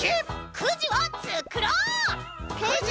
くじをつくろう！